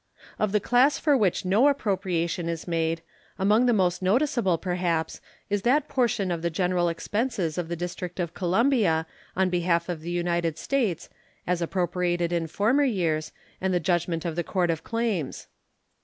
Of the class for which no appropriation is made, among the most noticeable, perhaps, is that portion of the general expenses of the District of Columbia on behalf of the United States, as appropriated in former years, and the judgments of the Court of Claims.